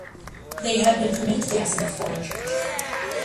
They had been permitted to dance in their former Church.